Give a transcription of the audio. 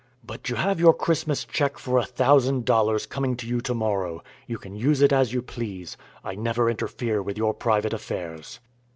But you have your Christmas check for a thousand dollars coming to you to morrow. You can use it as you please. I never interfere with your private affairs."